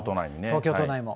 東京都内も。